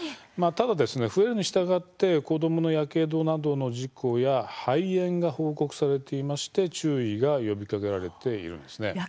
ただ増えるにしたがって子どものやけどなどの事故や肺炎が報告されていまして注意が呼びかけられているんですね。